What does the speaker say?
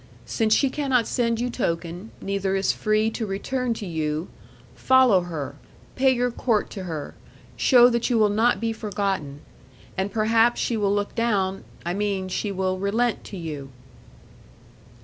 Since she cannot send you token, neither is free to return to you, follow her, pay your court to her; show that you will not be forgotten; and perhaps she will look down I mean, she will relent to you.'